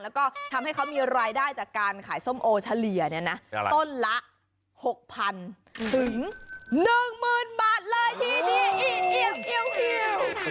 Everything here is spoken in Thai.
แล้วก็ทำให้เขามีรายได้จากการขายส้มโอเฉลี่ยเนี่ยนะต้นละ๖๐๐๐ถึง๑๐๐๐บาทเลยทีเดียว